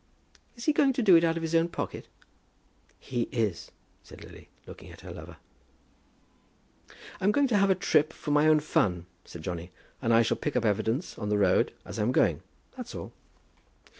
"Is he going to do it out of his own pocket?" "He is," said Lily, looking at her lover. "I'm going to have a trip for my own fun," said Johnny, "and I shall pick up evidence on the road, as I'm going; that's all."